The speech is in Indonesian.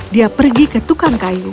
dia pergi ke tukang kayu